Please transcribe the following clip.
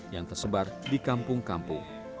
yang tersebar di kampung kampung